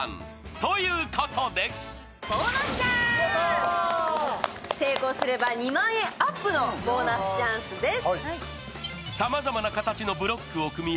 ということで成功すれば２万円アップのボーナスチャンスです。